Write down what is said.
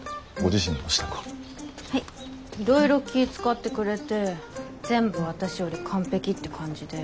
いろいろ気ぃ遣ってくれて全部私より完璧って感じで。